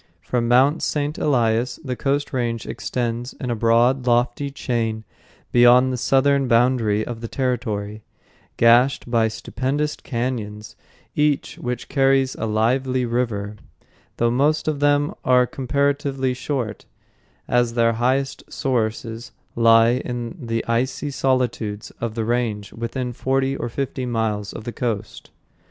From Mt. St. Elias the coast range extends in a broad, lofty chain beyond the southern boundary of the territory, gashed by stupendous cañons, each of which carries a lively river, though most of them are comparatively short, as their highest sources lie in the icy solitudes of the range within forty or fifty miles of the coast.